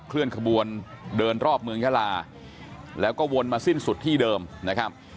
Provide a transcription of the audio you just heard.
เคลื่อนขบวนเดินรอบเมืองยาลาแล้วก็วนมาสิ้นสุดที่เดิมนะครับ